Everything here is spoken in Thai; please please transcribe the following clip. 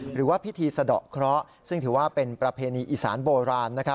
หรือว่าพิธีสะดอกเคราะห์ซึ่งถือว่าเป็นประเพณีอีสานโบราณ